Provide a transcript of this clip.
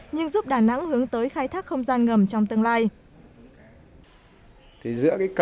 nhưng giúp đà nẵng hướng tới khai thác không gian ngầm trong tương lai